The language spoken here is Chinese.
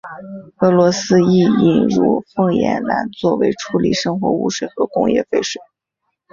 俄罗斯亦引入凤眼蓝作为处理生活污水和工业废水。